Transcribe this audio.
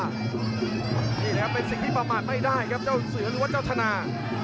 นี่แหละครับเป็นสิ่งที่ประมาทไม่ได้ครับเจ้าเสือหรือว่าเจ้าธนา